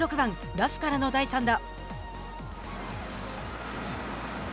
ラフからの第３打。